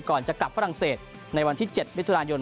ก่อนจะกลับฝรั่งเศสในวันที่๗มิถุนายน